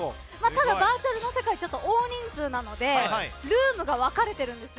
バーチャルの方結構な人数なのでルームが分かれてるんです。